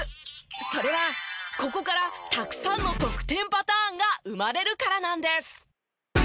それはここからたくさんの得点パターンが生まれるからなんです。